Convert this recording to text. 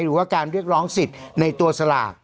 หรือว่าการเรียกร้องสิทธิ์ในตัวสลาก